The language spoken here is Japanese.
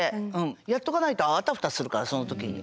やっとかないとあたふたするからその時に。